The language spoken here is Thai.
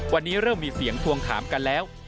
วันนี้เริ่มมีเสียงทวงถามกันแล้ว